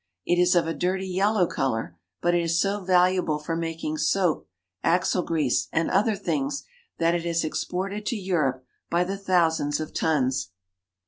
It is of a dirty yellow color, but it is so valu able for making soap, axle grease, and other things that it is exported to Europe by the thousands of tons.